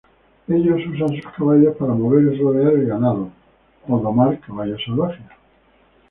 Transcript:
Ellos usan sus caballos para mover y rodear el ganado, o domar caballos salvajes.